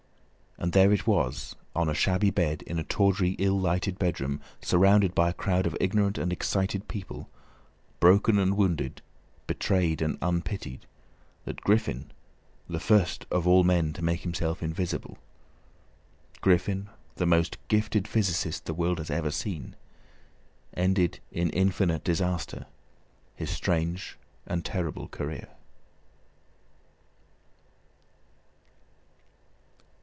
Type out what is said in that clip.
And there it was, on a shabby bed in a tawdry, ill lighted bedroom, surrounded by a crowd of ignorant and excited people, broken and wounded, betrayed and unpitied, that Griffin, the first of all men to make himself invisible, Griffin, the most gifted physicist the world has ever seen, ended in infinite disaster his strange and terrible career.